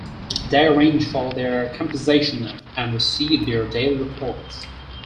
Day arranged for their compensation and received their daily reports.